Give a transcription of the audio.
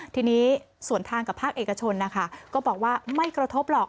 ทีนี้ส่วนทางกับภาคเอกชนนะคะก็บอกว่าไม่กระทบหรอก